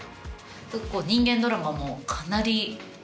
人間ドラマもかなり。